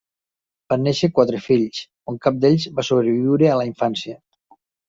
Van néixer quatre fills, on cap d'ells va sobreviure a la infància.